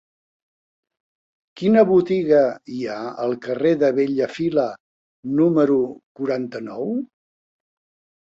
Quina botiga hi ha al carrer de Bellafila número quaranta-nou?